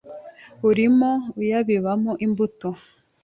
Urimo uyabibamo imbuto